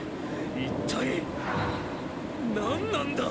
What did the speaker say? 一体何なんだ！？